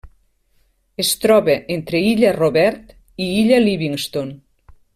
Es troba entre illa Robert i illa Livingston.